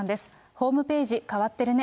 ホームページ、変わってるね。